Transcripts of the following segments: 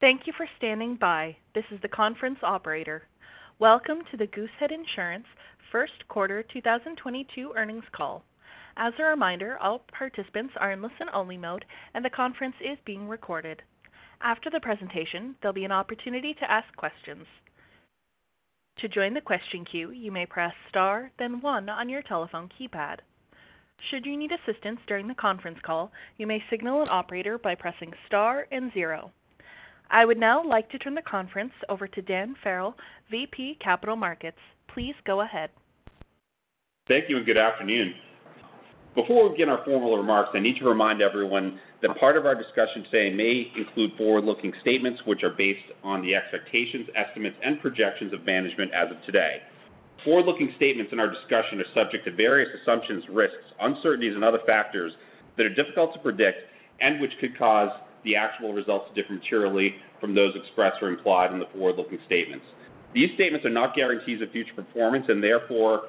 Thank you for standing by. This is the conference operator. Welcome to the Goosehead Insurance First Quarter 2022 Earnings Call. As a reminder, all participants are in listen-only mode, and the conference is being recorded. After the presentation, there'll be an opportunity to ask questions. To join the question queue, you may press Star, then one on your telephone keypad. Should you need assistance during the conference call, you may signal an operator by pressing Star and zero. I would now like to turn the conference over to Dan Farrell, VP, Capital Markets. Please go ahead. Thank you and good afternoon. Before we begin our formal remarks, I need to remind everyone that part of our discussion today may include forward-looking statements which are based on the expectations, estimates, and projections of management as of today. Forward-looking statements in our discussion are subject to various assumptions, risks, uncertainties, and other factors that are difficult to predict and which could cause the actual results to differ materially from those expressed or implied in the forward-looking statements. These statements are not guarantees of future performance, and therefore,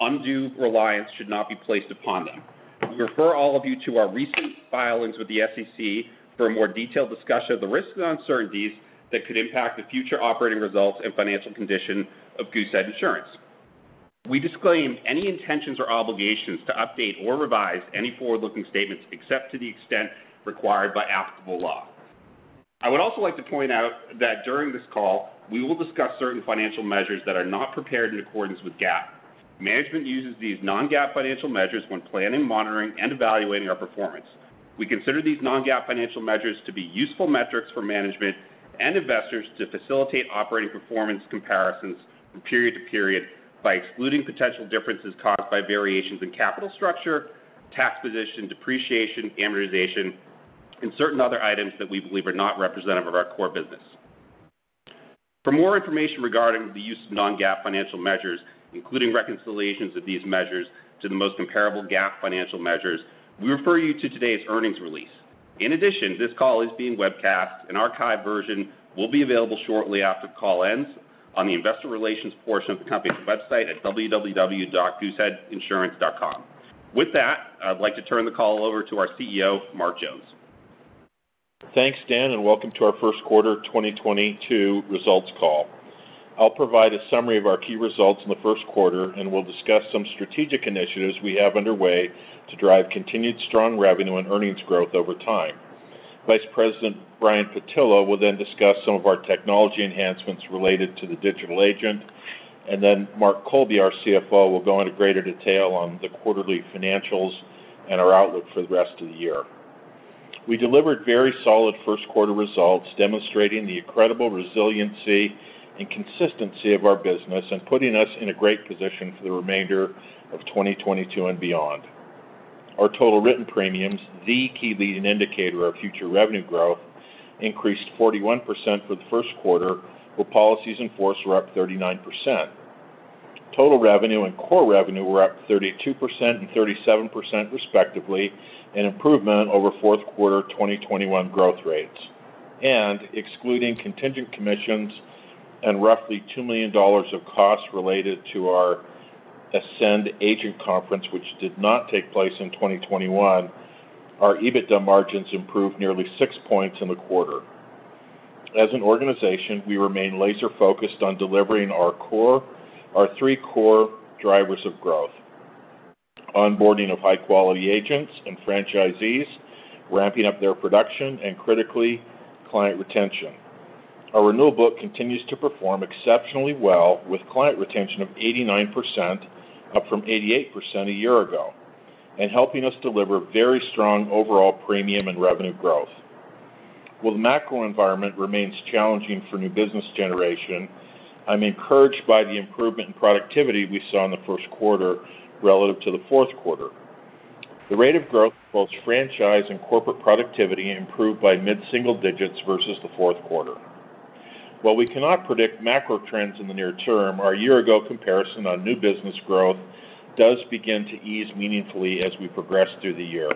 undue reliance should not be placed upon them. We refer all of you to our recent filings with the SEC for a more detailed discussion of the risks and uncertainties that could impact the future operating results and financial condition of Goosehead Insurance. We disclaim any intentions or obligations to update or revise any forward-looking statements, except to the extent required by applicable law. I would also like to point out that during this call, we will discuss certain financial measures that are not prepared in accordance with GAAP. Management uses these non-GAAP financial measures when planning, monitoring, and evaluating our performance. We consider these non-GAAP financial measures to be useful metrics for management and investors to facilitate operating performance comparisons from period to period by excluding potential differences caused by variations in capital structure, tax position, depreciation, amortization, and certain other items that we believe are not representative of our core business. For more information regarding the use of non-GAAP financial measures, including reconciliations of these measures to the most comparable GAAP financial measures, we refer you to today's earnings release. In addition, this call is being webcast. An archived version will be available shortly after the call ends on the investor relations portion of the company's website at www.gooseheadinsurance.com. With that, I'd like to turn the call over to our CEO, Mark Jones. Thanks, Dan, and welcome to our first quarter of 2022 results call. I'll provide a summary of our key results in the first quarter, and we'll discuss some strategic initiatives we have underway to drive continued strong revenue and earnings growth over time. Vice President Brian Pattillo will then discuss some of our technology enhancements related to the Digital Agent. Then Mark Colby, our CFO, will go into greater detail on the quarterly financials and our outlook for the rest of the year. We delivered very solid first quarter results demonstrating the incredible resiliency and consistency of our business and putting us in a great position for the remainder of 2022 and beyond. Our total written premiums, the key leading indicator of future revenue growth, increased 41% for the first quarter, where policies enforced were up 39%. Total revenue and core revenue were up 32% and 37%, respectively, an improvement over fourth quarter 2021 growth rates. Excluding contingent commissions and roughly $2 million of costs related to our Ascend agent conference, which did not take place in 2021, our EBITDA margins improved nearly 6 points in the quarter. As an organization, we remain laser-focused on delivering our three core drivers of growth. Onboarding of high-quality agents and franchisees, ramping up their production, and critically, client retention. Our renewal book continues to perform exceptionally well with client retention of 89%, up from 88% a year ago, and helping us deliver very strong overall premium and revenue growth. While the macro environment remains challenging for new business generation, I'm encouraged by the improvement in productivity we saw in the first quarter relative to the fourth quarter. The rate of growth, both franchise and corporate productivity, improved by mid-single digits versus the fourth quarter. While we cannot predict macro trends in the near term, our year-ago comparison on new business growth does begin to ease meaningfully as we progress through the year.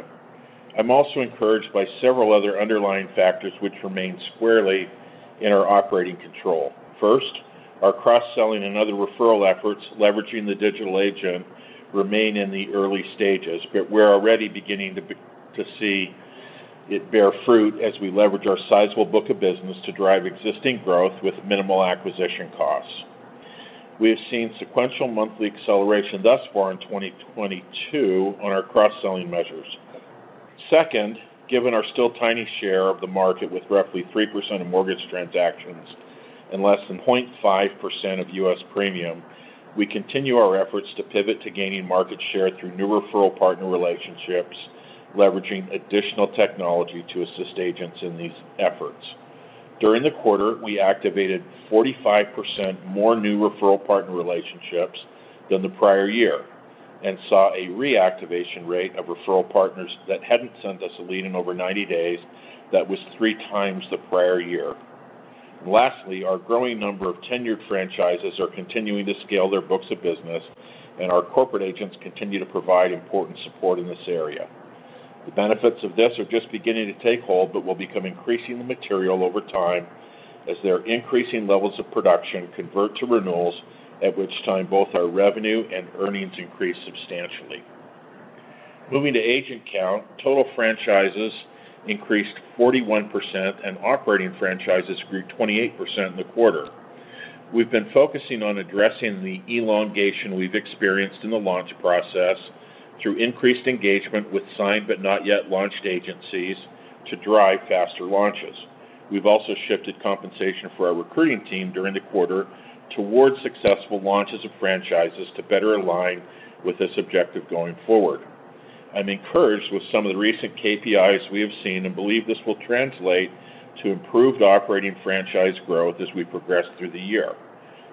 I'm also encouraged by several other underlying factors which remain squarely in our operating control. First, our cross-selling and other referral efforts leveraging the Digital Agent remain in the early stages, but we're already beginning to see it bear fruit as we leverage our sizable book of business to drive existing growth with minimal acquisition costs. We have seen sequential monthly acceleration thus far in 2022 on our cross-selling measures. Second, given our still tiny share of the market with roughly 3% of mortgage transactions and less than 0.5% of U.S. premium, we continue our efforts to pivot to gaining market share through new referral partner relationships, leveraging additional technology to assist agents in these efforts. During the quarter, we activated 45% more new referral partner relationships than the prior year and saw a reactivation rate of referral partners that hadn't sent us a lead in over 90 days that was 3x the prior year. Lastly, our growing number of tenured franchises are continuing to scale their books of business, and our corporate agents continue to provide important support in this area. The benefits of this are just beginning to take hold, but will become increasingly material over time as their increasing levels of production convert to renewals, at which time both our revenue and earnings increase substantially. Moving to agent count, total franchises increased 41% and operating franchises grew 28% in the quarter. We've been focusing on addressing the elongation we've experienced in the launch process through increased engagement with signed but not yet launched agencies to drive faster launches. We've also shifted compensation for our recruiting team during the quarter towards successful launches of franchises to better align with this objective going forward. I'm encouraged with some of the recent KPIs we have seen, and believe this will translate to improved operating franchise growth as we progress through the year.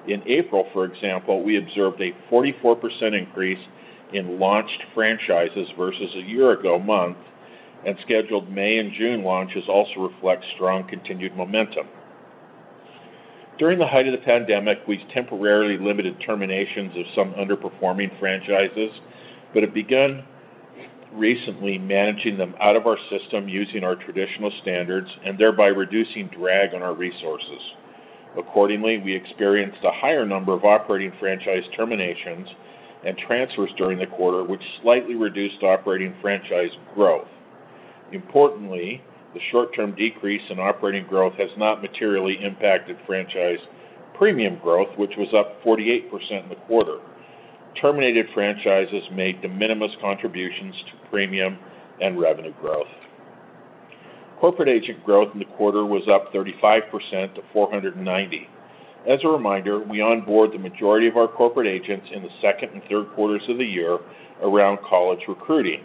In April, for example, we observed a 44% increase in launched franchises versus a year ago month, and scheduled May and June launches also reflect strong continued momentum. During the height of the pandemic, we temporarily limited terminations of some underperforming franchises, but have begun recently managing them out of our system using our traditional standards and thereby reducing drag on our resources. Accordingly, we experienced a higher number of operating franchise terminations and transfers during the quarter, which slightly reduced operating franchise growth. Importantly, the short-term decrease in operating growth has not materially impacted franchise premium growth, which was up 48% in the quarter. Terminated franchises made de minimis contributions to premium and revenue growth. Corporate agent growth in the quarter was up 35% to 490. As a reminder, we onboard the majority of our corporate agents in the second and third quarters of the year around college recruiting.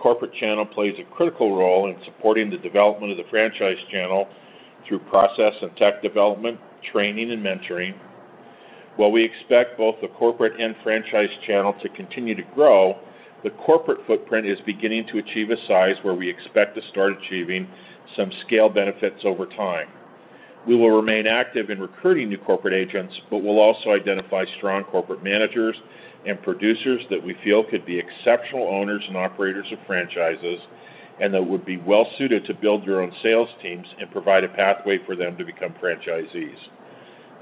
Corporate channel plays a critical role in supporting the development of the franchise channel through process and tech development, training and mentoring. While we expect both the corporate and franchise channel to continue to grow, the corporate footprint is beginning to achieve a size where we expect to start achieving some scale benefits over time. We will remain active in recruiting new corporate agents, but we'll also identify strong corporate managers and producers that we feel could be exceptional owners and operators of franchises and that would be well suited to build their own sales teams and provide a pathway for them to become franchisees.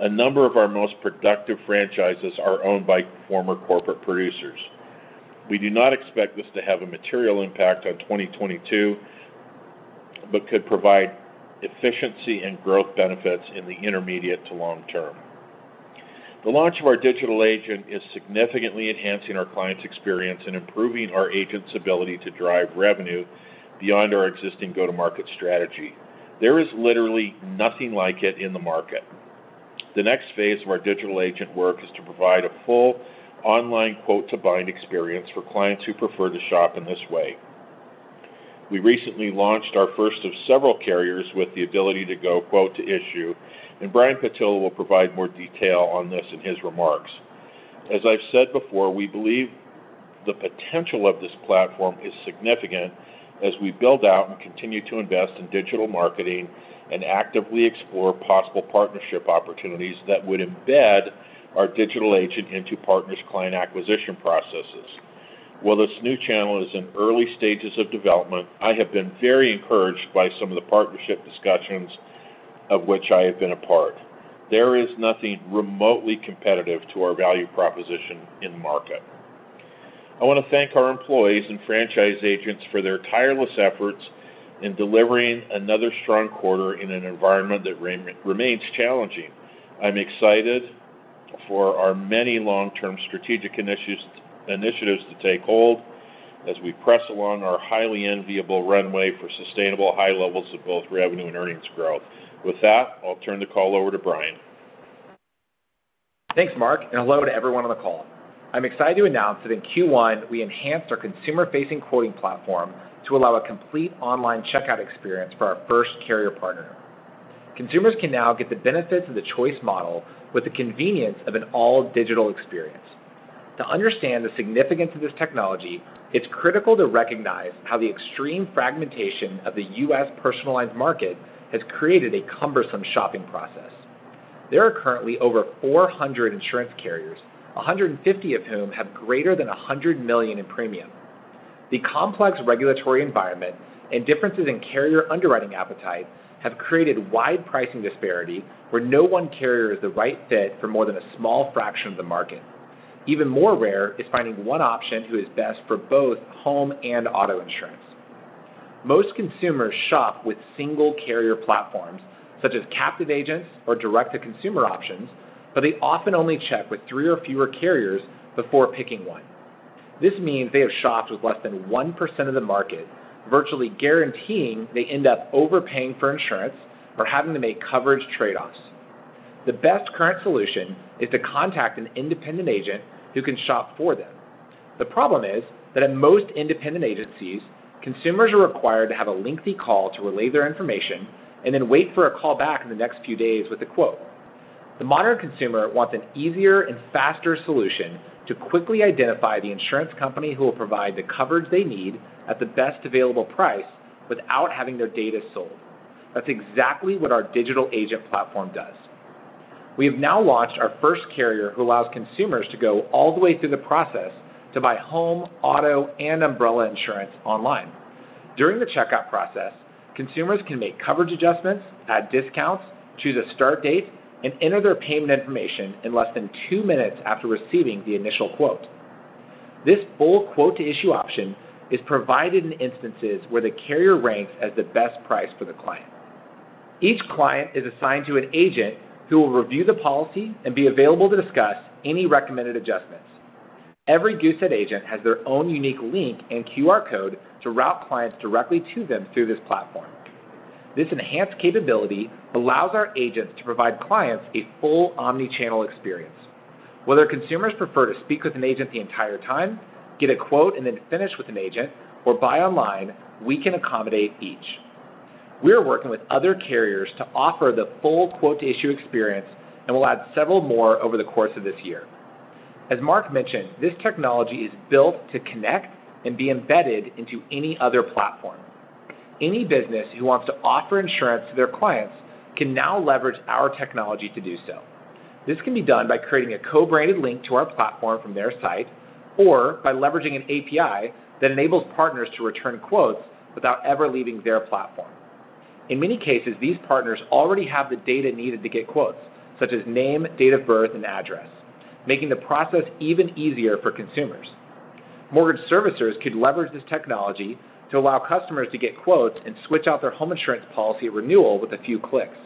A number of our most productive franchises are owned by former corporate producers. We do not expect this to have a material impact on 2022, but could provide efficiency and growth benefits in the intermediate to long term. The launch of our Digital Agent is significantly enhancing our clients' experience and improving our agents' ability to drive revenue beyond our existing go-to-market strategy. There is literally nothing like it in the market. The next phase of our Digital Agent work is to provide a full online quote-to-bind experience for clients who prefer to shop in this way. We recently launched our first of several carriers with the ability to go quote to issue, and Brian Pattillo will provide more detail on this in his remarks. As I've said before, we believe the potential of this platform is significant as we build out and continue to invest in digital marketing and actively explore possible partnership opportunities that would embed our digital agent into partners' client acquisition processes. While this new channel is in early stages of development, I have been very encouraged by some of the partnership discussions of which I have been a part. There is nothing remotely competitive to our value proposition in the market. I want to thank our employees and franchise agents for their tireless efforts in delivering another strong quarter in an environment that remains challenging. I'm excited for our many long-term strategic initiatives to take hold as we press along our highly enviable runway for sustainable high levels of both revenue and earnings growth. With that, I'll turn the call over to Brian. Thanks, Mark, and hello to everyone on the call. I'm excited to announce that in Q1, we enhanced our consumer-facing quoting platform to allow a complete online checkout experience for our first carrier partner. Consumers can now get the benefits of the choice model with the convenience of an all-digital experience. To understand the significance of this technology, it's critical to recognize how the extreme fragmentation of the U.S. personal lines market has created a cumbersome shopping process. There are currently over 400 insurance carriers, 150 of whom have greater than $100 million in premium. The complex regulatory environment and differences in carrier underwriting appetite have created wide pricing disparity where no one carrier is the right fit for more than a small fraction of the market. Even more rare is finding one option who is best for both home and auto insurance. Most consumers shop with single carrier platforms such as captive agents or direct-to-consumer options, but they often only check with three or fewer carriers before picking one. This means they have shopped with less than 1% of the market, virtually guaranteeing they end up overpaying for insurance or having to make coverage trade-offs. The best current solution is to contact an independent agent who can shop for them. The problem is that at most independent agencies, consumers are required to have a lengthy call to relay their information and then wait for a call back in the next few days with a quote. The modern consumer wants an easier and faster solution to quickly identify the insurance company who will provide the coverage they need at the best available price without having their data sold. That's exactly what our digital agent platform does. We have now launched our first carrier who allows consumers to go all the way through the process to buy home, auto, and umbrella insurance online. During the checkout process, consumers can make coverage adjustments, add discounts, choose a start date, and enter their payment information in less than two minutes after receiving the initial quote. This full quote to issue option is provided in instances where the carrier ranks as the best price for the client. Each client is assigned to an agent who will review the policy and be available to discuss any recommended adjustments. Every Goosehead agent has their own unique link and QR code to route clients directly to them through this platform. This enhanced capability allows our agents to provide clients a full omni-channel experience. Whether consumers prefer to speak with an agent the entire time, get a quote, and then finish with an agent, or buy online, we can accommodate each. We are working with other carriers to offer the full quote to issue experience, and we'll add several more over the course of this year. As Mark mentioned, this technology is built to connect and be embedded into any other platform. Any business who wants to offer insurance to their clients can now leverage our technology to do so. This can be done by creating a co-branded link to our platform from their site or by leveraging an API that enables partners to return quotes without ever leaving their platform. In many cases, these partners already have the data needed to get quotes, such as name, date of birth, and address, making the process even easier for consumers. Mortgage servicers could leverage this technology to allow customers to get quotes and switch out their home insurance policy renewal with a few clicks.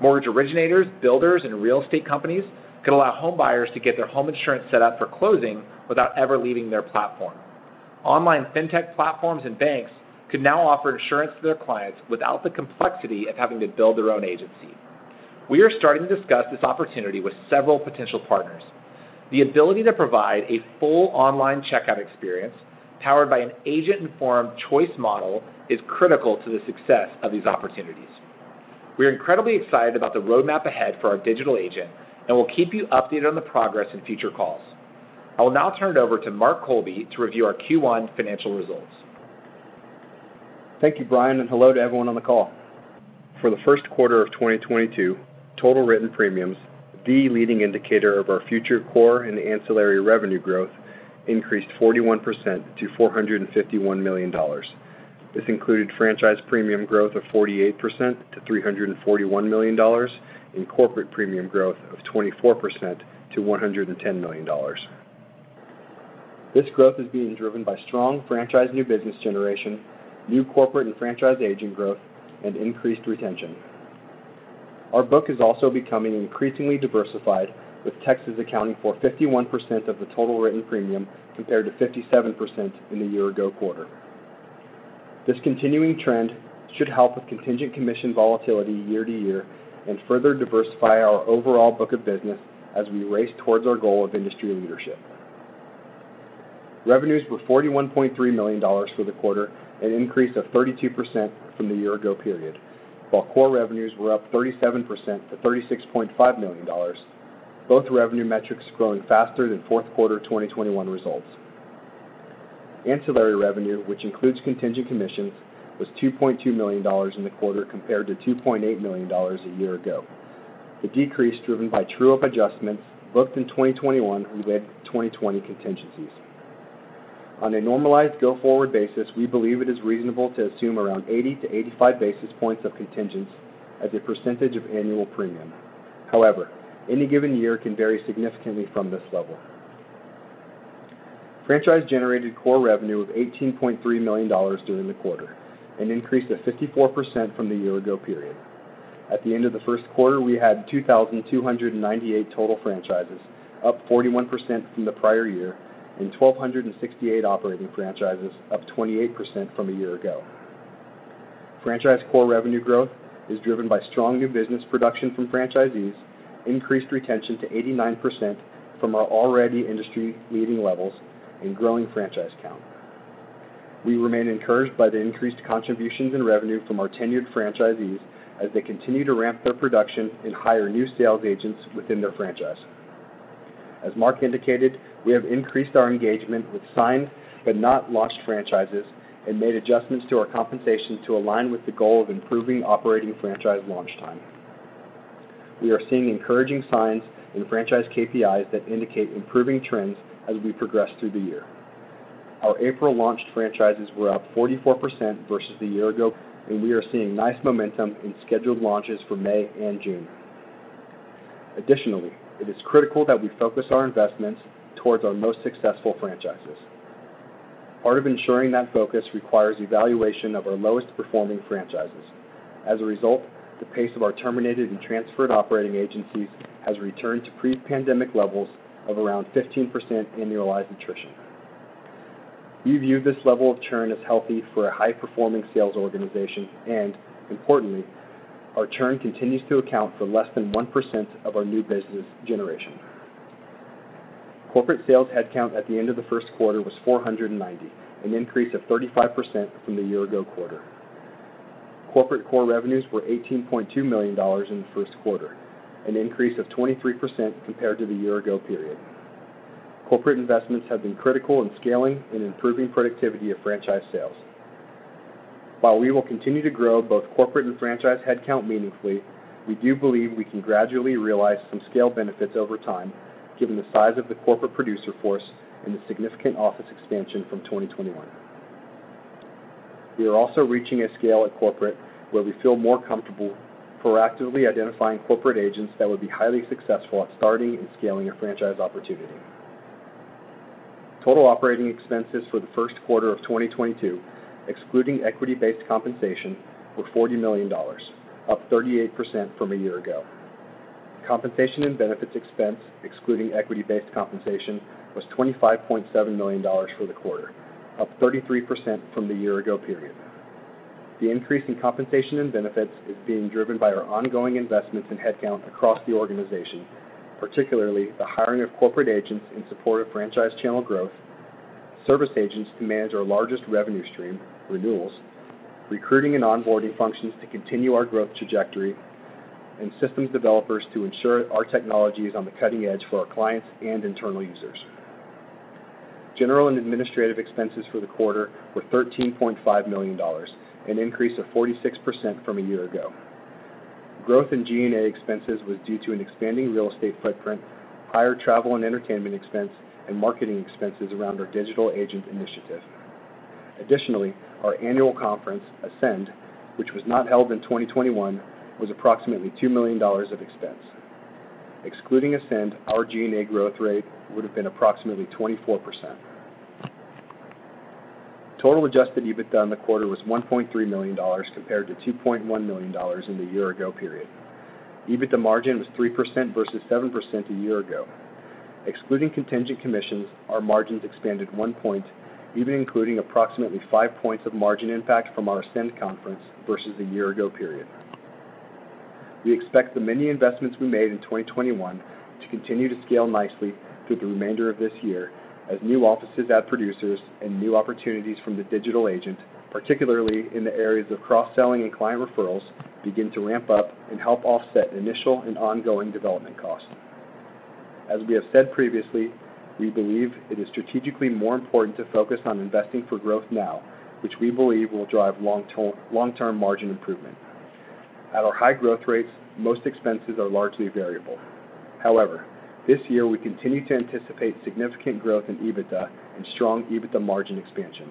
Mortgage originators, builders, and real estate companies could allow home buyers to get their home insurance set up for closing without ever leaving their platform. Online fintech platforms and banks could now offer insurance to their clients without the complexity of having to build their own agency. We are starting to discuss this opportunity with several potential partners. The ability to provide a full online checkout experience powered by an agent-informed choice model is critical to the success of these opportunities. We are incredibly excited about the roadmap ahead for our Digital Agent, and we'll keep you updated on the progress in future calls. I will now turn it over to Mark Colby to review our Q1 financial results. Thank you, Brian, and hello to everyone on the call. For the first quarter of 2022, total written premiums, the leading indicator of our future core and ancillary revenue growth, increased 41% to $451 million. This included franchise premium growth of 48% to $341 million and corporate premium growth of 24% to $110 million. This growth is being driven by strong franchise new business generation, new corporate and franchise agent growth, and increased retention. Our book is also becoming increasingly diversified, with Texas accounting for 51% of the total written premium compared to 57% in the year ago quarter. This continuing trend should help with contingent commission volatility year to year and further diversify our overall book of business as we race towards our goal of industry leadership. Revenues were $41.3 million for the quarter, an increase of 32% from the year ago period. While core revenues were up 37% to $36.5 million, both revenue metrics growing faster than fourth quarter 2021 results. Ancillary revenue, which includes contingent commissions, was $2.2 million in the quarter compared to $2.8 million a year ago. The decrease driven by true up adjustments booked in 2021 related to 2020 contingencies. On a normalized go forward basis, we believe it is reasonable to assume around 80-85 basis points of contingents as a percentage of annual premium. However, any given year can vary significantly from this level. Franchise generated core revenue of $18.3 million during the quarter, an increase of 54% from the year ago period. At the end of the first quarter, we had 2,298 total franchises, up 41% from the prior year, and 1,268 operating franchises, up 28% from a year ago. Franchise core revenue growth is driven by strong new business production from franchisees, increased retention to 89% from our already industry leading levels, and growing franchise count. We remain encouraged by the increased contributions in revenue from our tenured franchisees as they continue to ramp their production and hire new sales agents within their franchise. As Mark indicated, we have increased our engagement with signed but not launched franchises and made adjustments to our compensation to align with the goal of improving operating franchise launch time. We are seeing encouraging signs in franchise KPIs that indicate improving trends as we progress through the year. Our April launched franchises were up 44% versus the year ago, and we are seeing nice momentum in scheduled launches for May and June. Additionally, it is critical that we focus our investments towards our most successful franchises. Part of ensuring that focus requires evaluation of our lowest performing franchises. As a result, the pace of our terminated and transferred operating agencies has returned to pre-pandemic levels of around 15% annualized attrition. We view this level of churn as healthy for a high-performing sales organization, and importantly, our churn continues to account for less than 1% of our new business generation. Corporate sales headcount at the end of the first quarter was 490, an increase of 35% from the year ago quarter. Corporate core revenues were $18.2 million in the first quarter, an increase of 23% compared to the year ago period. Corporate investments have been critical in scaling and improving productivity of franchise sales. While we will continue to grow both corporate and franchise headcount meaningfully, we do believe we can gradually realize some scale benefits over time given the size of the corporate producer force and the significant office expansion from 2021. We are also reaching a scale at corporate where we feel more comfortable proactively identifying corporate agents that would be highly successful at starting and scaling a franchise opportunity. Total operating expenses for the first quarter of 2022, excluding equity-based compensation, were $40 million, up 38% from a year ago. Compensation and benefits expense, excluding equity-based compensation, was $25.7 million for the quarter, up 33% from the year ago period. The increase in compensation and benefits is being driven by our ongoing investments in headcount across the organization, particularly the hiring of corporate agents in support of franchise channel growth, service agents to manage our largest revenue stream, renewals, recruiting and onboarding functions to continue our growth trajectory, and systems developers to ensure our technology is on the cutting edge for our clients and internal users. General and administrative expenses for the quarter were $13.5 million, an increase of 46% from a year ago. Growth in G&A expenses was due to an expanding real estate footprint, higher travel and entertainment expense, and marketing expenses around our Digital Agent initiative. Additionally, our annual conference, Ascend, which was not held in 2021, was approximately $2 million of expense. Excluding Ascend, our G&A growth rate would have been approximately 24%. Total adjusted EBITDA in the quarter was $1.3 million compared to $2.1 million in the year ago period. EBITDA margin was 3% versus 7% a year ago. Excluding contingent commissions, our margins expanded one point, even including approximately five points of margin impact from our Ascend conference versus the year ago period. We expect the many investments we made in 2021 to continue to scale nicely through the remainder of this year as new offices add producers and new opportunities from the Digital Agent, particularly in the areas of cross-selling and client referrals, begin to ramp up and help offset initial and ongoing development costs. As we have said previously, we believe it is strategically more important to focus on investing for growth now, which we believe will drive long-term margin improvement. At our high growth rates, most expenses are largely variable. However, this year we continue to anticipate significant growth in EBITDA and strong EBITDA margin expansion.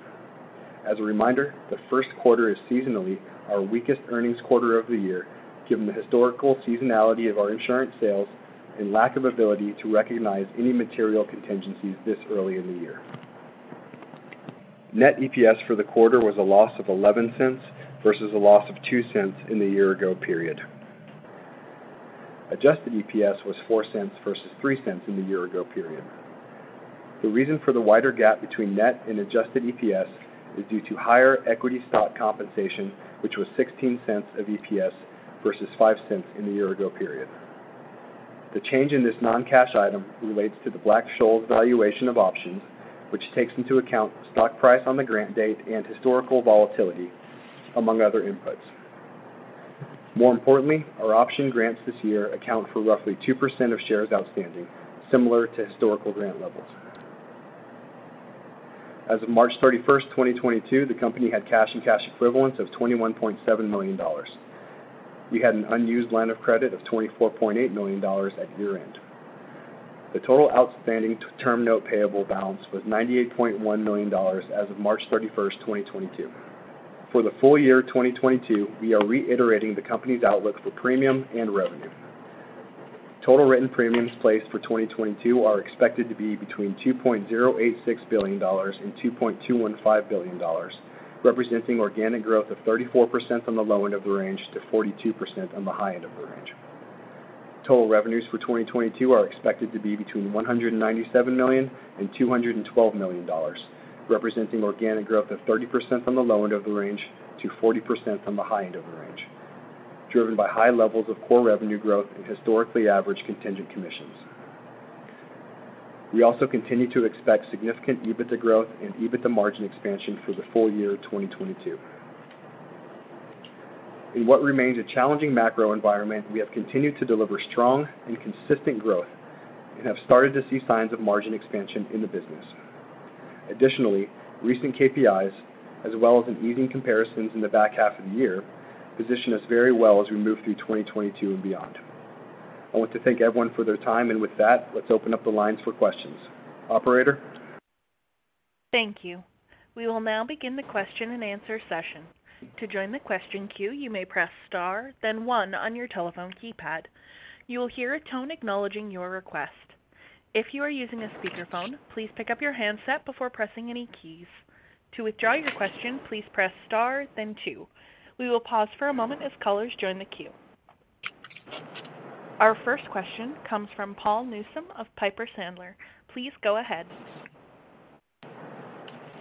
As a reminder, the first quarter is seasonally our weakest earnings quarter of the year, given the historical seasonality of our insurance sales and lack of ability to recognize any material contingencies this early in the year. Net EPS for the quarter was a loss of $0.11 versus a loss of $0.02 in the year ago period. Adjusted EPS was $0.04 versus $0.03 in the year ago period. The reason for the wider gap between net and adjusted EPS is due to higher equity stock compensation, which was 16 cents of EPS versus five cents in the year ago period. The change in this non-cash item relates to the Black-Scholes valuation of options, which takes into account stock price on the grant date and historical volatility, among other inputs. More importantly, our option grants this year account for roughly 2% of shares outstanding, similar to historical grant levels. As of March 31, 2022, the company had cash and cash equivalents of $21.7 million. We had an unused line of credit of $24.8 million at year-end. The total outstanding term note payable balance was $98.1 million as of March 31, 2022. For the full year 2022, we are reiterating the company's outlook for premium and revenue. Total written premiums placed for 2022 are expected to be between $2.086 billion and $2.215 billion, representing organic growth of 34% on the low end of the range to 42% on the high end of the range. Total revenues for 2022 are expected to be between $197 million and $212 million, representing organic growth of 30% on the low end of the range to 40% on the high end of the range, driven by high levels of core revenue growth and historically average contingent commissions. We also continue to expect significant EBITDA growth and EBITDA margin expansion for the full year 2022. In what remains a challenging macro environment, we have continued to deliver strong and consistent growth and have started to see signs of margin expansion in the business. Additionally, recent KPIs, as well as an easing comparisons in the back half of the year, position us very well as we move through 2022 and beyond. I want to thank everyone for their time, and with that, let's open up the lines for questions. Operator? Thank you. We will now begin the question-and-answer session. To join the question queue, you may press star then one on your telephone keypad. You will hear a tone acknowledging your request. If you are using a speakerphone, please pick up your handset before pressing any keys. To withdraw your question, please press star then two. We will pause for a moment as callers join the queue. Our first question comes from Paul Newsome of Piper Sandler. Please go ahead.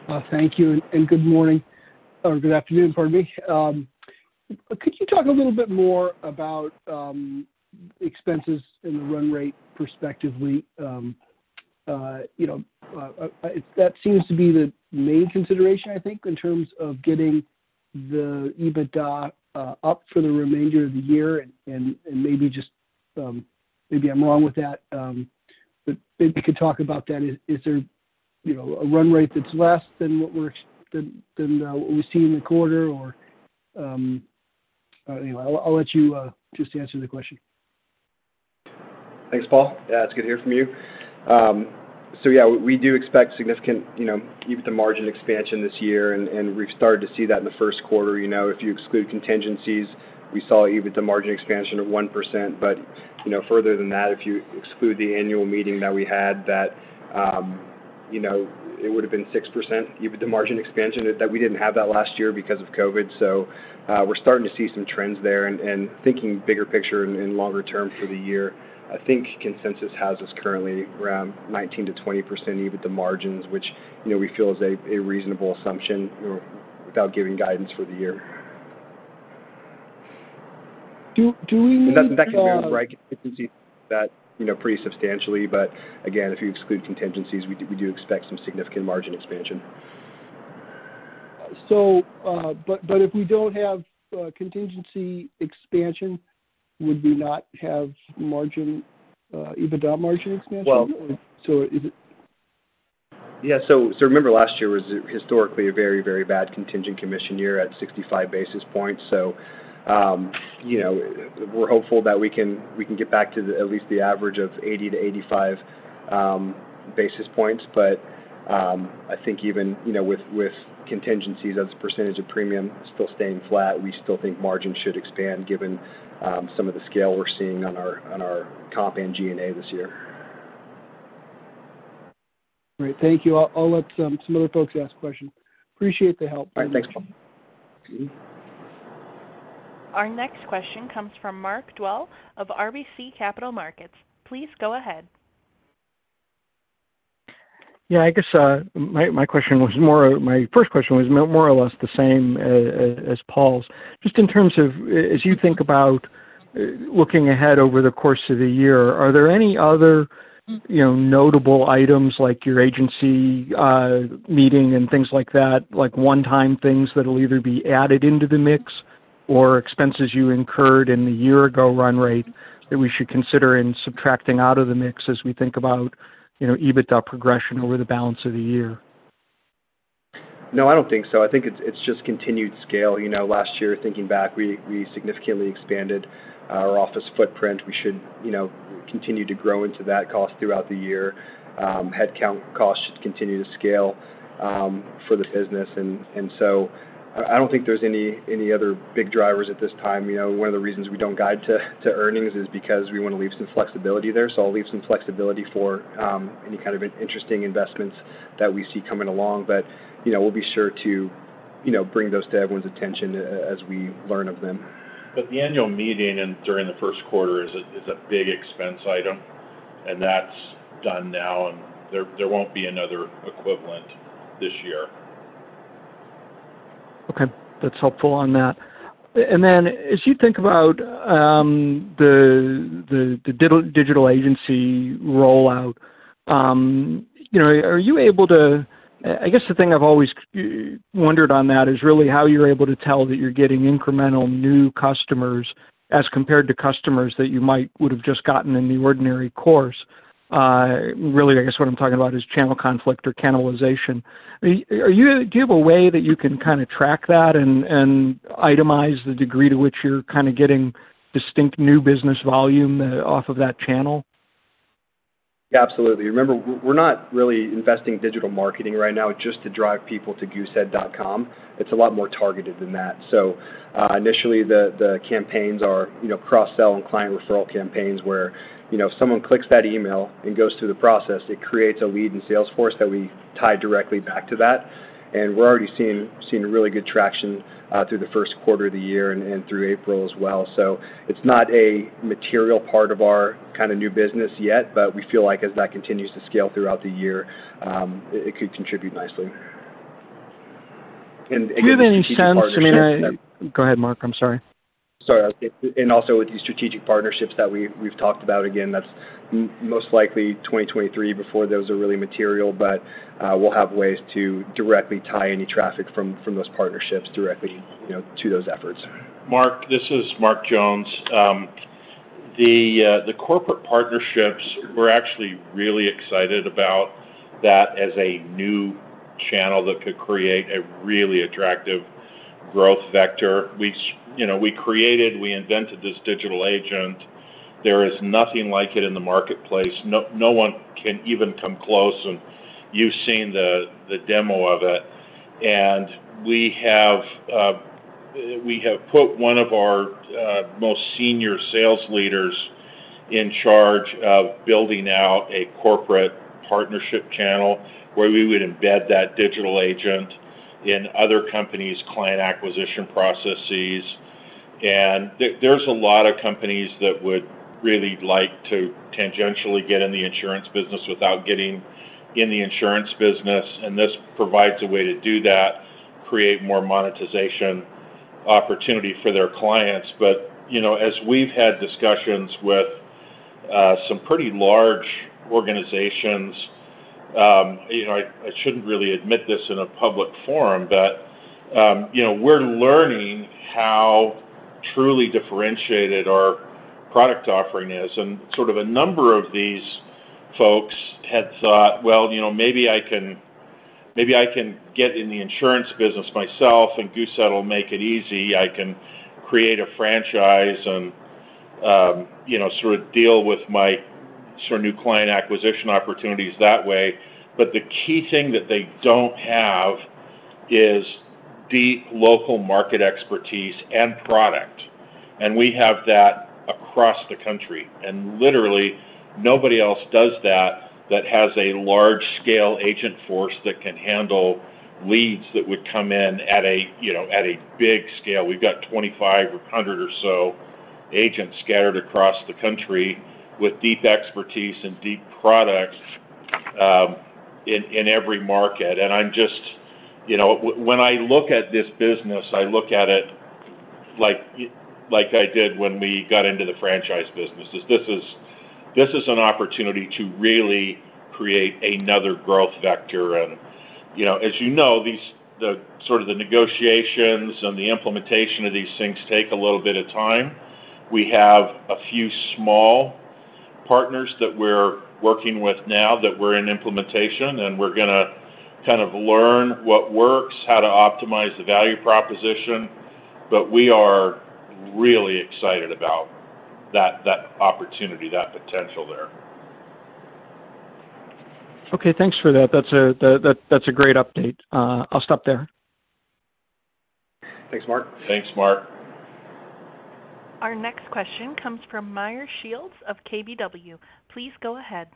Well, thank you, and good morning, or good afternoon, pardon me. Could you talk a little bit more about expenses and the run rate prospectively? You know, that seems to be the main consideration, I think, in terms of getting the EBITDA up for the remainder of the year, and maybe just maybe I'm wrong with that. But maybe you could talk about that. Is there You know, a run rate that's less than what we see in the quarter or anyway, I'll let you just answer the question. Thanks, Paul. Yeah, it's good to hear from you. So yeah, we do expect significant, you know, EBITDA margin expansion this year, and we've started to see that in the first quarter. You know, if you exclude contingencies, we saw EBITDA margin expansion of 1%. You know, further than that, if you exclude the annual meeting that we had, you know, it would've been 6% EBITDA margin expansion that we didn't have last year because of COVID. We're starting to see some trends there, and thinking bigger picture and longer term for the year. I think consensus has us currently around 19%-20% EBITDA margins, which, you know, we feel is a reasonable assumption without giving guidance for the year. Do we need? That second quarter was right. You can see that, you know, pretty substantially. Again, if you exclude contingencies, we do expect some significant margin expansion. If we don't have contingency expansion, would we not have margin EBITDA margin expansion? Well- Is it. Yeah. Remember last year was historically a very, very bad contingent commission year at 65 basis points. You know, we're hopeful that we can get back to at least the average of 80-85 basis points. I think even, you know, with contingencies as a percentage of premium still staying flat, we still think margins should expand given some of the scale we're seeing on our comp and G&A this year. Great. Thank you. I'll let some other folks ask questions. Appreciate the help. All right. Thanks, Paul. Our next question comes from Mark Dwelle of RBC Capital Markets. Please go ahead. Yeah, I guess, my question was more. My first question was more or less the same as Paul's. Just in terms of as you think about, looking ahead over the course of the year, are there any other, you know, notable items like your agency meeting and things like that, like one-time things that'll either be added into the mix or expenses you incurred in the year-ago run rate that we should consider in subtracting out of the mix as we think about, you know, EBITDA progression over the balance of the year? No, I don't think so. I think it's just continued scale. You know, last year, thinking back, we significantly expanded our office footprint. We should, you know, continue to grow into that cost throughout the year. Headcount costs should continue to scale for the business. So I don't think there's any other big drivers at this time. You know, one of the reasons we don't guide to earnings is because we wanna leave some flexibility there. So I'll leave some flexibility for any kind of interesting investments that we see coming along. You know, we'll be sure to, you know, bring those to everyone's attention as we learn of them. The annual meeting and during the first quarter is a big expense item, and that's done now, and there won't be another equivalent this year. Okay. That's helpful on that. As you think about the digital agency rollout, you know, are you able to? I guess the thing I've always wondered on that is really how you're able to tell that you're getting incremental new customers as compared to customers that you might would've just gotten in the ordinary course. Really, I guess what I'm talking about is channel conflict or cannibalization. Do you have a way that you can kinda track that and itemize the degree to which you're kinda getting distinct new business volume off of that channel? Yeah, absolutely. Remember, we're not really investing in digital marketing right now just to drive people to goosehead.com. It's a lot more targeted than that. Initially, the campaigns are, you know, cross-sell and client referral campaigns where, you know, if someone clicks that email and goes through the process, it creates a lead in Salesforce that we tie directly back to that. We're already seeing really good traction through the first quarter of the year and through April as well. It's not a material part of our kinda new business yet, but we feel like as that continues to scale throughout the year, it could contribute nicely. Again, with strategic partnerships- Do you have any sense, I mean. Go ahead, Mark. I'm sorry. Sorry. Also with these strategic partnerships that we've talked about, again, that's most likely 2023 before those are really material. We'll have ways to directly tie any traffic from those partnerships directly, you know, to those efforts. Mark, this is Mark Jones. The corporate partnerships, we're actually really excited about that as a new channel that could create a really attractive growth vector. You know, we created, we invented this digital agent. There is nothing like it in the marketplace. No one can even come close, and you've seen the demo of it. We have put one of our most senior sales leaders in charge of building out a corporate partnership channel where we would embed that digital agent in other companies' client acquisition processes. There's a lot of companies that would really like to tangentially get in the insurance business without getting in the insurance business, and this provides a way to do that, create more monetization opportunity for their clients. you know, as we've had discussions with some pretty large organizations, you know, I shouldn't really admit this in a public forum, but you know, we're learning how truly differentiated our product offering is. Sort of a number of these folks had thought, well, you know, maybe I can, maybe I can get in the insurance business myself, and Goosehead will make it easy. I can create a franchise and, you know, sort of deal with my sort of new client acquisition opportunities that way. The key thing that they don't have is deep local market expertise and product. We have that across the country. Literally, nobody else does that has a large scale agent force that can handle leads that would come in at a, you know, at a big scale. We've got 2,500 or so agents scattered across the country with deep expertise and deep products in every market. I'm just you know, when I look at this business, I look at it like I did when we got into the franchise businesses. This is an opportunity to really create another growth vector. You know, as you know, the sort of negotiations and the implementation of these things take a little bit of time. We have a few small partners that we're working with now that we're in implementation, and we're gonna kind of learn what works, how to optimize the value proposition. We are really excited about that opportunity, that potential there. Okay, thanks for that. That's a great update. I'll stop there. Thanks, Mark. Thanks, Mark. Our next question comes from Meyer Shields of KBW. Please go ahead.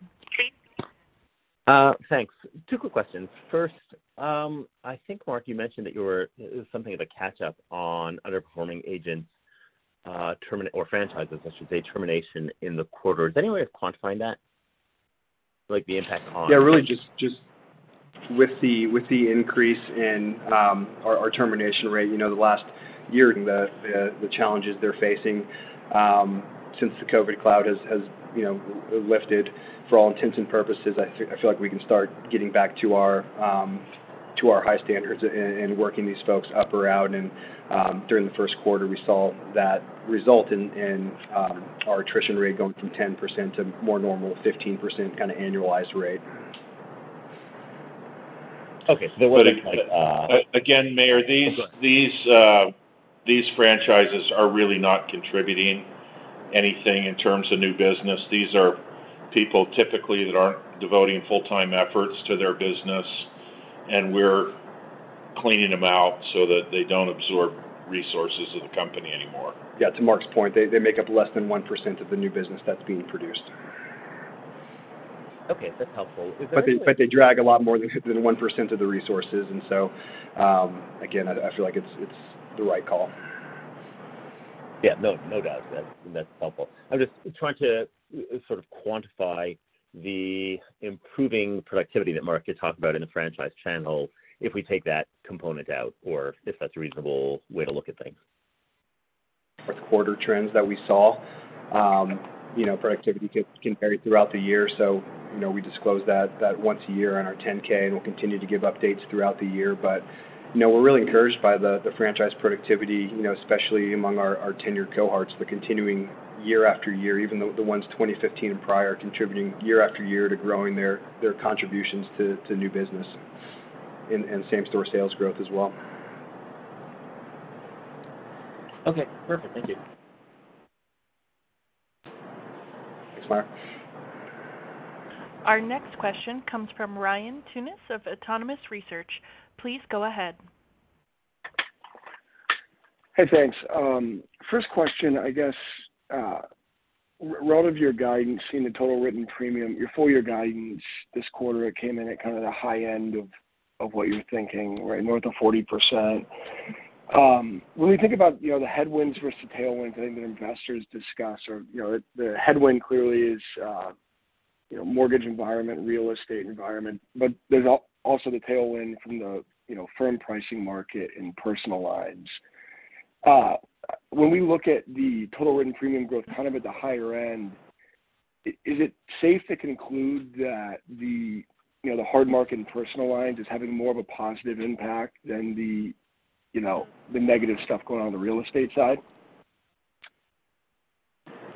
Thanks. Two quick questions. First, I think, Mark, you mentioned that there was something of a catch-up on underperforming agents or franchises, I should say, terminations in the quarter. Is there any way of quantifying that? Like the impact on- Yeah, really just with the increase in our termination rate. You know, the last year, the challenges they're facing since the COVID cloud has you know, lifted. For all intents and purposes, I feel like we can start getting back to our high standards and working these folks up or out. During the first quarter, we saw that result in our attrition rate going from 10% to more normal 15% kind of annualized rate. Okay. There wasn't like, Again, Meyer, these. Go ahead.... these franchises are really not contributing anything in terms of new business. These are people typically that aren't devoting full-time efforts to their business, and we're cleaning them out so that they don't absorb resources of the company anymore. Yeah, to Mark's point, they make up less than 1% of the new business that's being produced. Okay, that's helpful. They drag a lot more than 1% of the resources. Again, I feel like it's the right call. Yeah. No, no doubt. That's helpful. I'm just trying to sort of quantify the improving productivity that Mark, you talked about in the franchise channel if we take that component out or if that's a reasonable way to look at things. Our quarter trends that we saw, you know, productivity can vary throughout the year. You know, we disclose that once a year on our 10-K, and we'll continue to give updates throughout the year. You know, we're really encouraged by the franchise productivity, you know, especially among our tenured cohorts, the continuing year after year, even though the ones 2015 and prior contributing year after year to growing their contributions to new business and same-store sales growth as well. Okay, perfect. Thank you. Thanks, Mark. Our next question comes from Ryan Tunis of Autonomous Research. Please go ahead. Hey, thanks. First question, I guess, relative your guidance in the total written premium, your full year guidance this quarter, it came in at kind of the high end of what you're thinking, right north of 40%. When we think about, you know, the headwinds versus the tailwinds I think that investors discuss or, you know, the headwind clearly is, you know, mortgage environment, real estate environment, but there's also the tailwind from the, you know, firm pricing market in personal lines. When we look at the total written premium growth kind of at the higher end, is it safe to conclude that the, you know, the hard market and personal lines is having more of a positive impact than the, you know, the negative stuff going on the real estate side?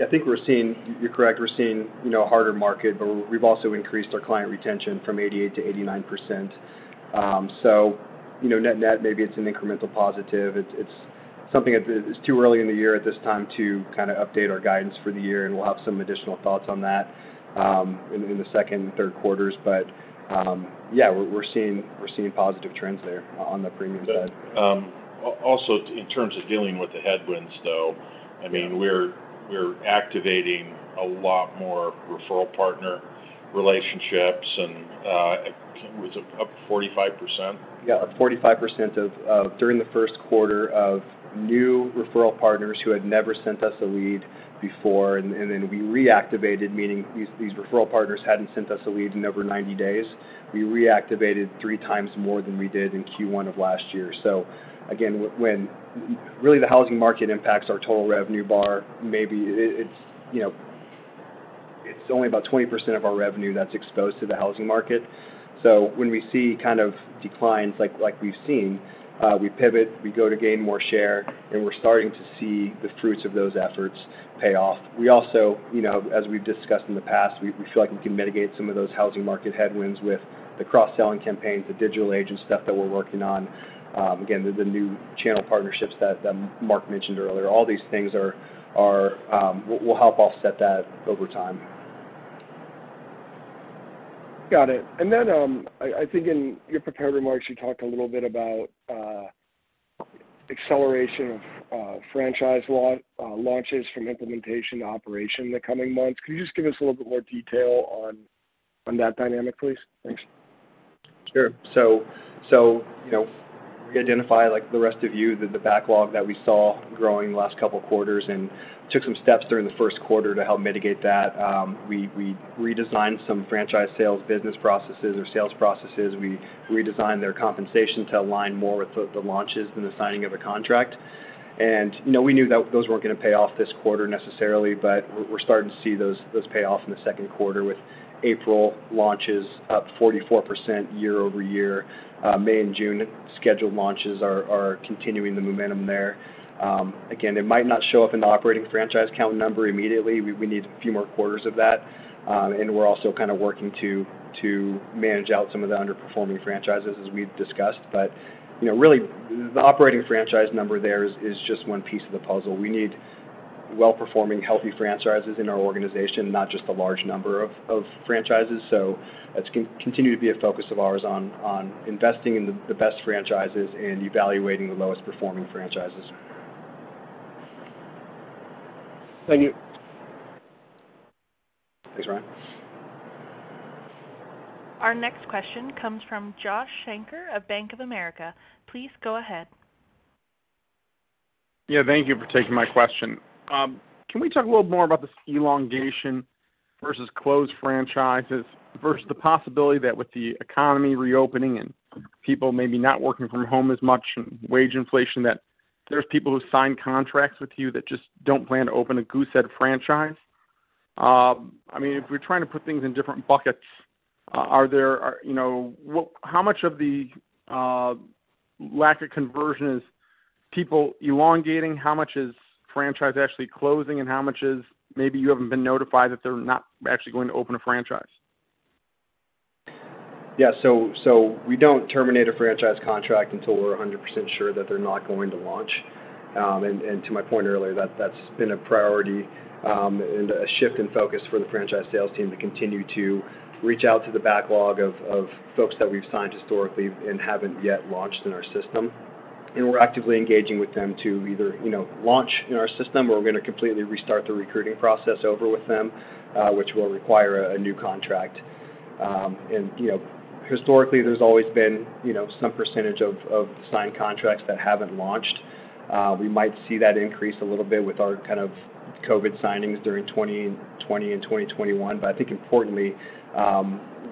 I think we're seeing. You're correct. We're seeing, you know, a harder market, but we've also increased our client retention from 88%-89%. You know, net-net, maybe it's an incremental positive. It's something that's too early in the year at this time to kind of update our guidance for the year, and we'll have some additional thoughts on that, in the second and third quarters. Yeah, we're seeing positive trends there on the premium side. also in terms of dealing with the headwinds, though, I mean, we're activating a lot more referral partner relationships and was it up 45%? Yeah. 45% of new referral partners during the first quarter who had never sent us a lead before, and then we reactivated, meaning these referral partners hadn't sent us a lead in over 90 days. We reactivated three times more than we did in Q1 of last year. Again, when really the housing market impacts our total revenue but maybe it's only about 20% of our revenue that's exposed to the housing market. When we see kind of declines like we've seen, we pivot, we go to gain more share, and we're starting to see the fruits of those efforts pay off. We also, you know, as we've discussed in the past, we feel like we can mitigate some of those housing market headwinds with the cross-selling campaigns, the Digital Agent stuff that we're working on. Again, the new channel partnerships that Mark mentioned earlier. All these things are will help offset that over time. Got it. I think in your prepared remarks, you talked a little bit about acceleration of franchise launches from implementation to operation in the coming months. Can you just give us a little bit more detail on that dynamic, please? Thanks. Sure. You know, we identify, like the rest of you, the backlog that we saw growing the last couple of quarters and took some steps during the first quarter to help mitigate that. We redesigned some franchise sales business processes or sales processes. We redesigned their compensation to align more with the launches and the signing of a contract. You know, we knew that those weren't gonna pay off this quarter necessarily, but we're starting to see those pay off in the second quarter with April launches up 44% year-over-year. May and June scheduled launches are continuing the momentum there. Again, it might not show up in the operating franchise count number immediately. We need a few more quarters of that. We're also kind of working to manage out some of the underperforming franchises as we've discussed. You know, really the operating franchise number there is just one piece of the puzzle. We need well-performing, healthy franchises in our organization, not just the large number of franchises. That's continue to be a focus of ours on investing in the best franchises and evaluating the lowest performing franchises. Thank you. Thanks, Ryan. Our next question comes from Josh Shanker of Bank of America. Please go ahead. Yeah, thank you for taking my question. Can we talk a little more about this elongation versus closed franchises versus the possibility that with the economy reopening and people maybe not working from home as much and wage inflation, that there's people who sign contracts with you that just don't plan to open a Goosehead franchise? I mean, if we're trying to put things in different buckets, you know, how much of the lack of conversion is people elongating? How much is franchise actually closing? And how much is maybe you haven't been notified that they're not actually going to open a franchise? Yeah. We don't terminate a franchise contract until we're 100% sure that they're not going to launch. To my point earlier, that's been a priority and a shift in focus for the franchise sales team to continue to reach out to the backlog of folks that we've signed historically and haven't yet launched in our system. We're actively engaging with them to either, you know, launch in our system or we're gonna completely restart the recruiting process over with them, which will require a new contract. You know, historically, there's always been, you know, some percentage of signed contracts that haven't launched. We might see that increase a little bit with our kind of COVID signings during 2020 and 2021. I think importantly,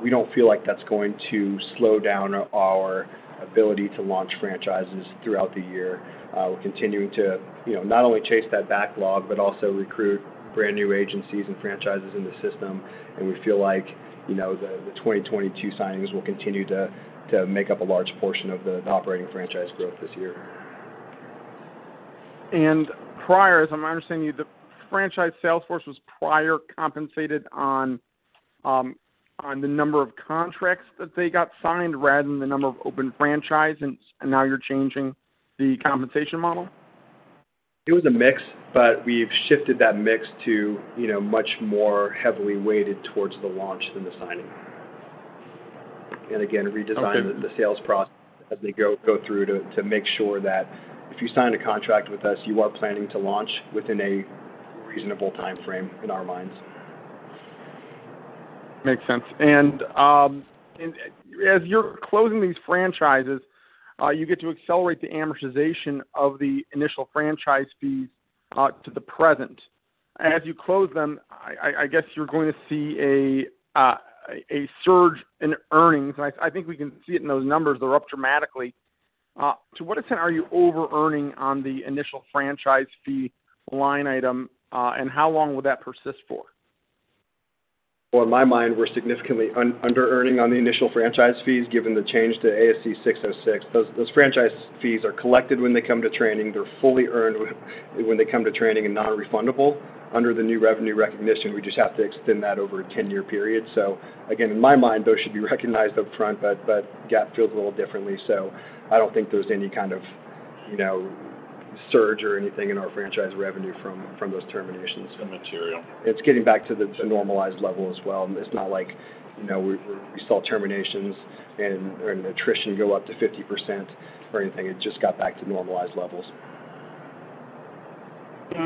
we don't feel like that's going to slow down our ability to launch franchises throughout the year. We're continuing to, you know, not only chase that backlog but also recruit brand-new agencies and franchises in the system. We feel like, you know, the 2022 signings will continue to make up a large portion of the operating franchise growth this year. Prior, as I'm understanding you, the franchise sales force was prior compensated on the number of contracts that they got signed rather than the number of open franchise, and now you're changing the compensation model? It was a mix, but we've shifted that mix to, you know, much more heavily weighted towards the launch than the signing. Again, redesigned. Okay. the sales process as they go through to make sure that if you sign a contract with us, you are planning to launch within a reasonable timeframe in our minds. Makes sense. As you're closing these franchises, you get to accelerate the amortization of the initial franchise fees to the present. As you close them, I guess you're going to see a surge in earnings. I think we can see it in those numbers. They're up dramatically. To what extent are you overearning on the initial franchise fee line item, and how long will that persist for? Well, in my mind, we're significantly under earning on the initial franchise fees given the change to ASC 606. Those franchise fees are collected when they come to training. They're fully earned when they come to training and non-refundable. Under the new revenue recognition, we just have to extend that over a 10-year period. Again, in my mind, those should be recognized upfront, but GAAP feels a little differently. I don't think there's any kind of, you know, surge or anything in our franchise revenue from those terminations. It's immaterial. It's getting back to the normalized level as well. It's not like, you know, we saw terminations and attrition go up to 50% or anything. It just got back to normalized levels. This is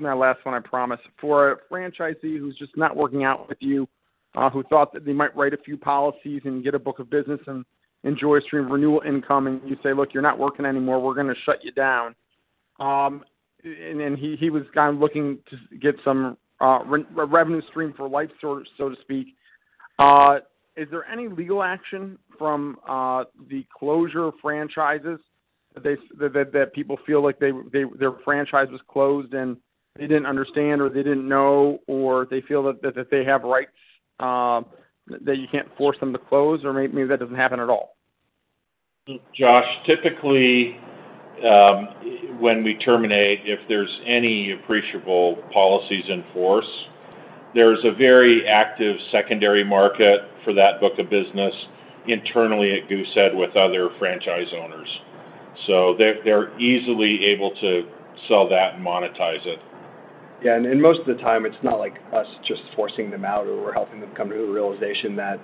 my last one, I promise. For a franchisee who's just not working out with you, who thought that they might write a few policies and get a book of business and enjoy a stream of renewal income, and you say, "Look, you're not working anymore. We're gonna shut you down." He was kind of looking to get some revenue stream for lifetime source, so to speak. Is there any legal action from the closure of franchises that people feel like their franchise was closed, and they didn't understand or they didn't know, or they feel that they have rights that you can't force them to close? Maybe that doesn't happen at all. Josh, typically, when we terminate, if there's any appreciable policies in force, there's a very active secondary market for that book of business internally at Goosehead with other franchise owners. They're easily able to sell that and monetize it. Yeah. Most of the time it's not like us just forcing them out or we're helping them come to a realization that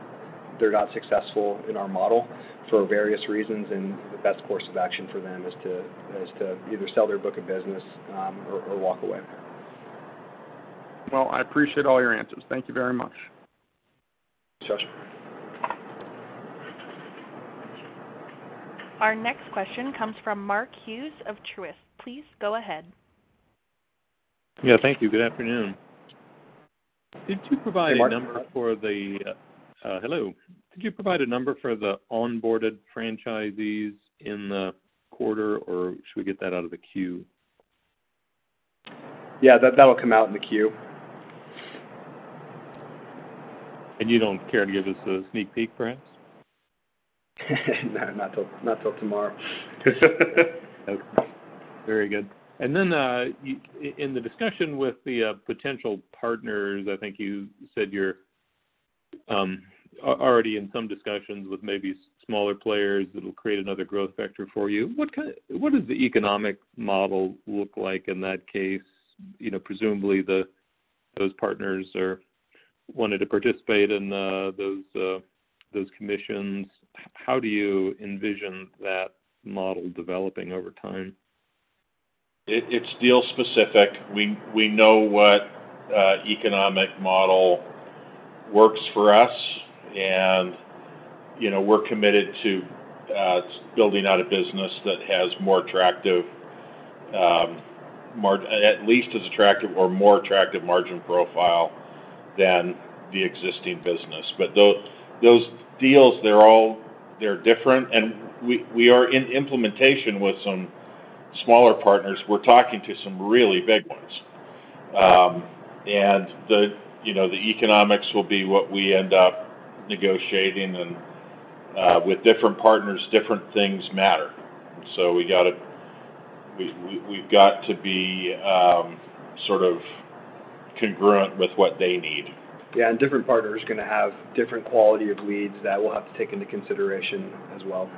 they're not successful in our model for various reasons, and the best course of action for them is to either sell their book of business, or walk away. Well, I appreciate all your answers. Thank you very much. Thanks, Josh. Our next question comes from Mark Hughes of Truist. Please go ahead. Yeah, thank you. Good afternoon. Hey, Mark. Did you provide a number for the onboarded franchisees in the quarter, or should we get that out of the queue? Yeah, that will come out in the queue. You don't care to give us a sneak peek, perhaps? No, not till tomorrow. Okay. Very good. In the discussion with the potential partners, I think you said you're already in some discussions with maybe smaller players that'll create another growth factor for you. What does the economic model look like in that case? You know, presumably those partners are wanting to participate in those commissions. How do you envision that model developing over time? It's deal specific. We know what economic model works for us. You know, we're committed to building out a business that has more attractive at least as attractive or more attractive margin profile than the existing business. Those deals, they're all different, and we are in implementation with some smaller partners. We're talking to some really big ones. You know, the economics will be what we end up negotiating and with different partners, different things matter. We've got to be sort of congruent with what they need. Yeah, different partners gonna have different quality of leads that we'll have to take into consideration as well.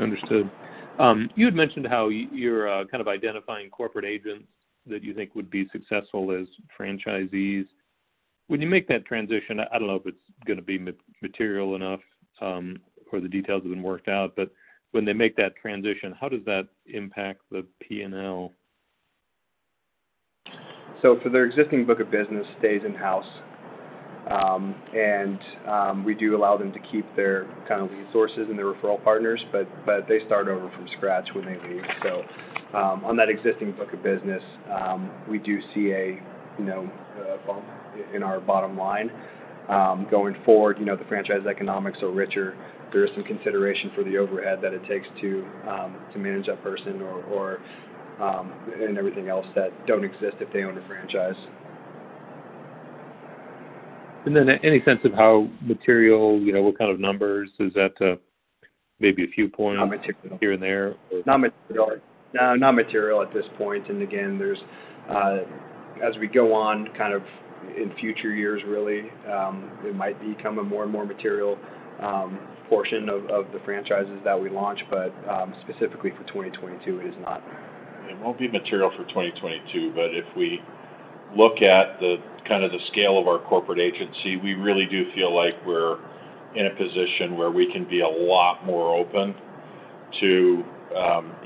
Understood. You had mentioned how you're kind of identifying corporate agents that you think would be successful as franchisees. When you make that transition, I don't know if it's gonna be material enough, or the details have been worked out, but when they make that transition, how does that impact the P&L? For their existing book of business stays in-house. We do allow them to keep their kind of lead sources and their referral partners, but they start over from scratch when they leave. On that existing book of business, we do see a bump in our bottom line. Going forward, the franchise economics are richer. There is some consideration for the overhead that it takes to manage that person or and everything else that don't exist if they own the franchise. any sense of how material, you know, what kind of numbers? Is that, maybe a few points- Not material. -here and there? Or- Not material. No, not material at this point. Again, there's as we go on kind of in future years, really, it might become a more and more material portion of the franchises that we launch. Specifically for 2022, it is not. It won't be material for 2022, but if we look at the kind of the scale of our corporate agency, we really do feel like we're in a position where we can be a lot more open to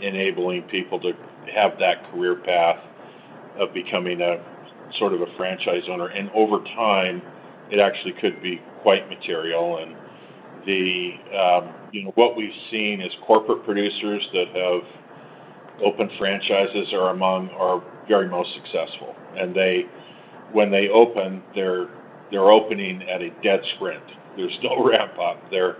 enabling people to have that career path of becoming a sort of a franchise owner. Over time, it actually could be quite material. You know, what we've seen is corporate producers that have opened franchises are among our very most successful. They, when they open, they're opening at a dead sprint. There's no ramp up. They're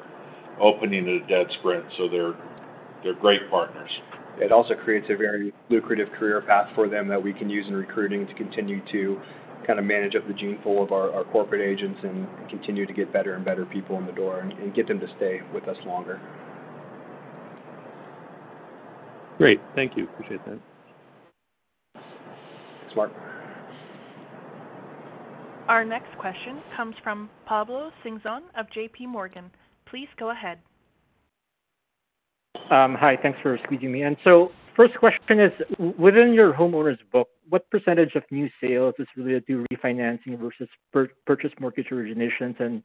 opening at a dead sprint, so they're great partners. It also creates a very lucrative career path for them that we can use in recruiting to continue to kind of manage up the gene pool of our corporate agents and continue to get better and better people in the door and get them to stay with us longer. Great. Thank you. Appreciate that. Thanks, Mark. Our next question comes from Pablo Singzon of J.P. Morgan. Please go ahead. Hi, thanks for squeezing me in. First question is, within your homeowner's book, what percentage of new sales is really due refinancing versus purchase mortgage originations, and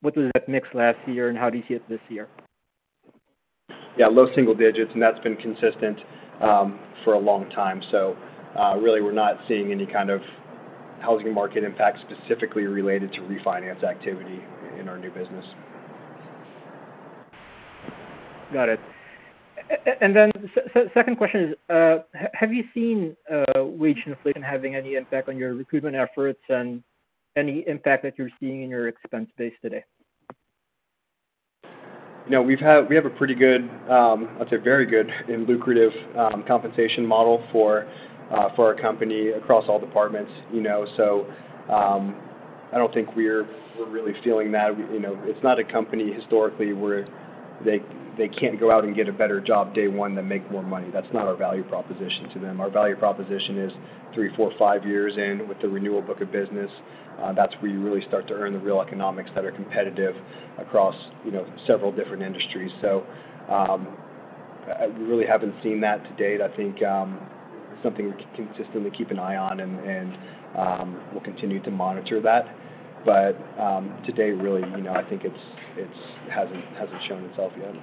what was that mix last year, and how do you see it this year? Yeah, low single digits, and that's been consistent for a long time. Really, we're not seeing any kind of housing market impact specifically related to refinance activity in our new business. Got it. Second question is, have you seen wage inflation having any impact on your recruitment efforts and any impact that you're seeing in your expense base today? No, we have a pretty good, I'd say very good and lucrative, compensation model for our company across all departments, you know. I don't think we're really feeling that. You know, it's not a company historically where they can't go out and get a better job day one than make more money. That's not our value proposition to them. Our value proposition is three, four, five years in with the renewal book of business. That's where you really start to earn the real economics that are competitive across, you know, several different industries. I really haven't seen that to date. I think something we consistently keep an eye on and we'll continue to monitor that. Today, really, you know, I think it hasn't shown itself yet.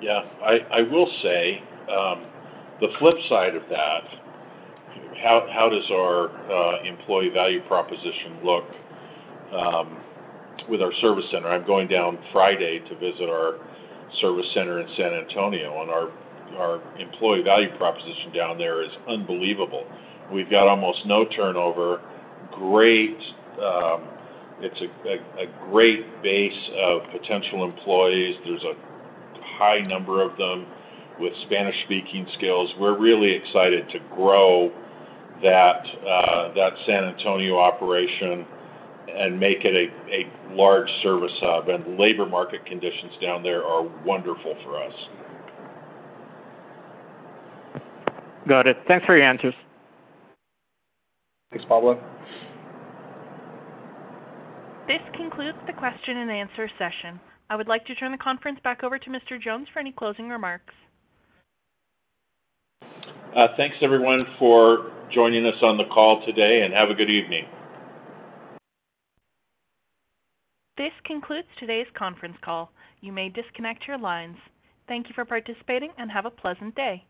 Yeah. I will say the flip side of that, how does our employee value proposition look with our service center? I'm going down Friday to visit our service center in San Antonio, and our employee value proposition down there is unbelievable. We've got almost no turnover. Great. It's a great base of potential employees. There's a high number of them with Spanish-speaking skills. We're really excited to grow that San Antonio operation and make it a large service hub. Labor market conditions down there are wonderful for us. Got it. Thanks for your answers. Thanks, Pablo. This concludes the question and answer session. I would like to turn the conference back over to Mr. Jones for any closing remarks. Thanks, everyone, for joining us on the call today, and have a good evening. This concludes today's conference call. You may disconnect your lines. Thank you for participating, and have a pleasant day.